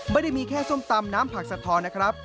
ไม่ได้มีแค่ส้มตำน้ำผักสะทอนนะครับ